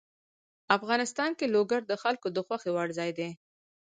افغانستان کې لوگر د خلکو د خوښې وړ ځای دی.